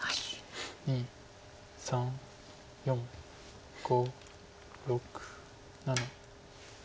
２３４５６７。